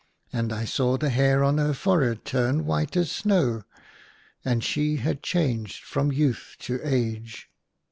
And I saw the hair on her forehead turned white as snow, and she had changed from youth to a^e.